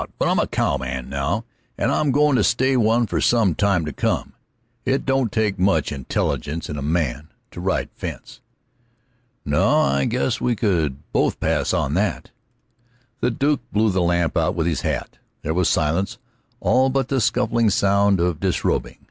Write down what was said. But I'm a cowman right now, and I'm goin' to stay one for some little time to come. It don't take much intelligence in a man to ride fence." "No; I guess we could both pass on that." The Duke blew the lamp out with his hat. There was silence, all but the scuffing sound of disrobing.